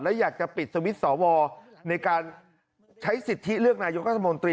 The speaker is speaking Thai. และอยากจะปิดสวิตช์สวในการใช้สิทธิเลือกนายกรัฐมนตรี